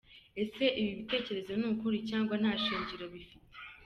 Ese ibi bitekerezo ni ukuri? Cyangwa nta shingiro bifite?.